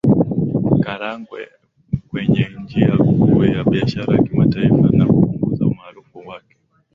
Karagwe kwenye njia Kuu ya biashara ya kimataifa na kupunguza umaarufu wake